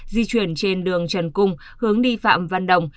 di chuyển trên đường trần cung hướng đi phạm văn đồng